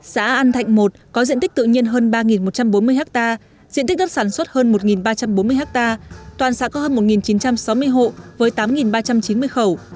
xã an thạnh i có diện tích tự nhiên hơn ba một trăm bốn mươi ha diện tích đất sản xuất hơn một ba trăm bốn mươi ha toàn xã có hơn một chín trăm sáu mươi hộ với tám ba trăm chín mươi khẩu